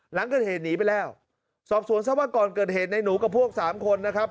หลังเกิดเหตุหนีไปแล้วสอบสวนซะว่าก่อนเกิดเหตุในหนูกับพวกสามคนนะครับ